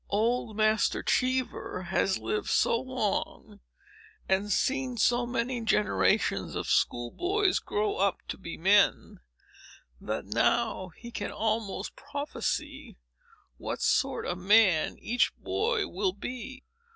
Old Master Cheever has lived so long, and seen so many generations of school boys grow up to be men, that now he can almost prophesy what sort of a man each boy will be.